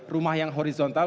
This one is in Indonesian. rumah yang horizontal